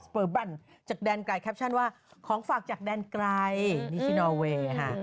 เปอร์บันจากแดนไกลแคปชั่นว่าของฝากจากแดนไกลนิชินอเวย์ค่ะ